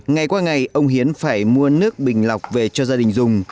ngày qua ngày ông hiến phải mua nước bình lọc về cho gia đình dùng